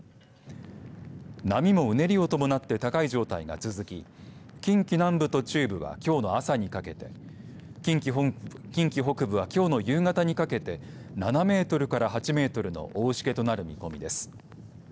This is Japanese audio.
波もうねりを伴って高い状態が続き近畿南部と中部はきょうの朝にかけて近畿北部はきょうの夕方にかけて７メートルから８メートルの大しけとなる見込みです。